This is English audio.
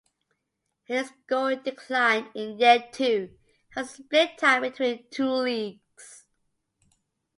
His scoring declined in year two as he split time between two leagues.